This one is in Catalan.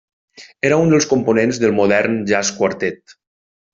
Era un dels components del Modern Jazz Quartet.